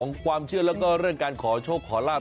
ความเชื่อแล้วก็เรื่องการขอโชคขอลาบ